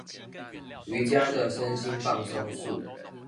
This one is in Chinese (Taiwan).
瑜珈的身心放鬆術